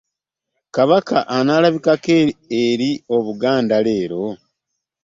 Kabaka anaalabikako eri obuganda leero.